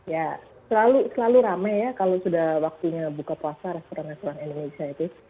ya selalu ramai ya kalau sudah waktunya buka puasa restoran restoran indonesia itu